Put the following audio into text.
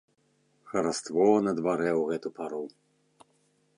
Хараство на дварэ ў гэту пару.